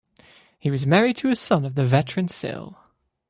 He was married to a son of the Veteran Sil.